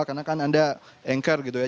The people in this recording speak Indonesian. karena kan anda anchor gitu ya